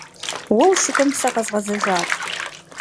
Уэ ущыкӏуэм сэ къэзгъэзэжат.